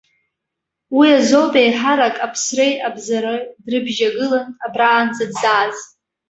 Уи азоуп еиҳарак аԥсреи абзареи дрыбжьагылан абраанӡа дзааз.